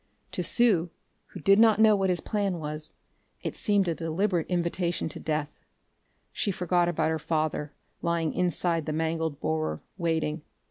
To Sue, who did not know what was his plan, it seemed a deliberate invitation to death. She forgot about her father, lying inside the mangled borer, waiting.